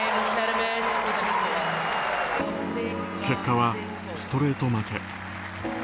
結果はストレート負け。